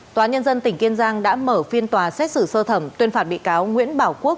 tòa nhân dân tỉnh kiên giang đã mở phiên tòa xét xử sơ thẩm tuyên phạt bị cáo nguyễn bảo quốc